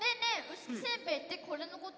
臼杵せんべいってこれのこと？